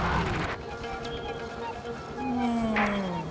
うん。